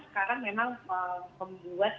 sekarang memang membuat kita menjadi lebih mudah